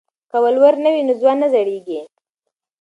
که ولور نه وي نو ځوان نه زړیږي.